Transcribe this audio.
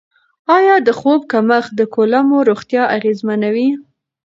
آیا د خوب کمښت د کولمو روغتیا اغېزمنوي؟